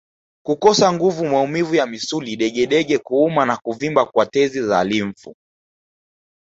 Kukosa nguvu maumivu ya misuli degedege kuuma na kuvimba kwa tezi za limfu